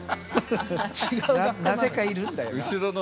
なぜかいるんだよな。